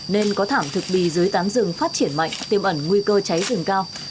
nên có thảm thực bì dưới tán rừng phát triển mạnh tiêm ẩn nguy cơ cháy rừng cao